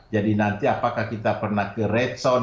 jadi nanti apakah kita pernah ke red zone